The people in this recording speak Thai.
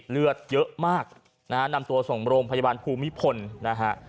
เลือดเยอะมากนะฮะนำตัวส่งโรงพยาบาลภูมิพลนะฮะ